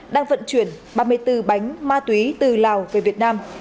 đang vận chuyển ba mươi bốn bánh ma túy từ lào về việt nam